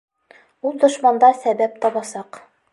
— Ул дошмандар сәбәп табасаҡ.